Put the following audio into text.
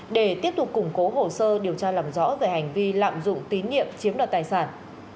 để tiếp tục củng cố hồ sơ điều tra làm rõ về hành vi lạm dụng tín nhiệm chiếm đoạt tài sản